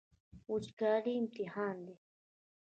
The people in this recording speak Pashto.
وچکالي امتحان دی.